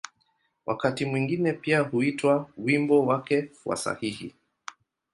Wakati mwingine pia huitwa ‘’wimbo wake wa sahihi’’.